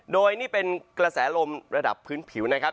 โดยนี่เป็นกระแสลมระดับพื้นผิวนะครับ